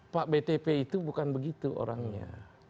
pak btp itu bukan begitu orangnya